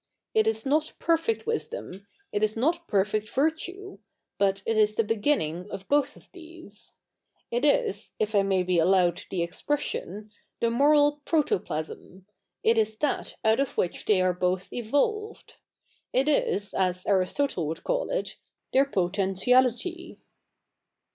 It is not perfect wisdo7n, it is not perfect virtue ; but it is the begi7ining of both of these. It is, if 1 7nay be allowed the expressio7t, the moral protoplasm —// is that out of which they are both evolved. It is, as Aristotle would call it, their potentiality.